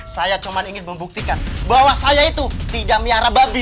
saya cuma ingin membuktikan bahwa saya itu tidak miara babi